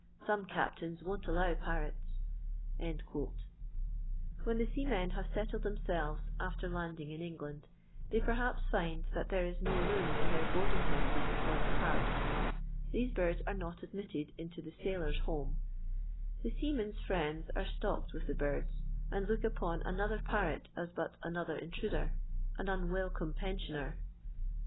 Some captains won't allow 1 the seamen have settled themselves after in England, they perhaps find that there is I in their boarding honses for their parrots ; rds are not admitted into the Sailors' Home ; men s friends are stocked with the birds, >k upon another parrot as but another *, an unwelcome pensioner.